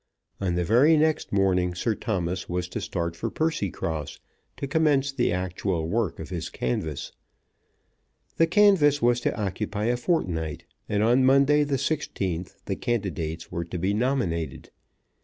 On the very next morning Sir Thomas was to start for Percycross, to commence the actual work of his canvass. The canvass was to occupy a fortnight, and on Monday the sixteenth the candidates were to be nominated.